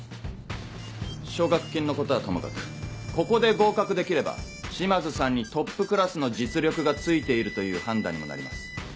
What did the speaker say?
奨学金のことはともかくここで合格できれば島津さんにトップクラスの実力がついているという判断にもなります。